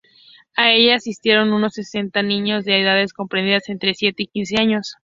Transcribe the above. A ella asistieron unos setenta niños de edades comprendidas entre siete y quince años.